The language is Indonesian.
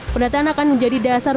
pendataan akan menjadi dasar